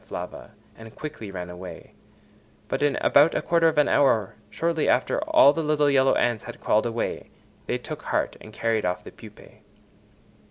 flava, and quickly ran away; but in about a quarter of an hour, shortly after all the little yellow ants had crawled away, they took heart and carried off the pupæ.